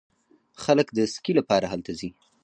خلک د سکي لپاره هلته ځي.